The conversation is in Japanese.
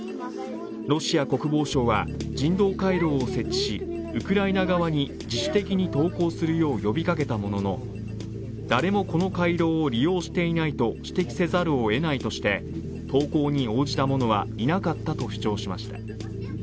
ロシア国防省は人道回廊を設置しウクライナ側に自主的に投降するよう呼びかけたものの、誰もこの回廊を利用していないと指摘せざるを得ないとして投降に応じた者はいなかったと主張しました。